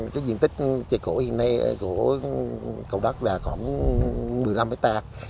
cái diện tích chè cổ hiện nay của cầu đất là khoảng một mươi năm hectare